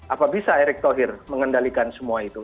apa bisa erick thohir mengendalikan semua itu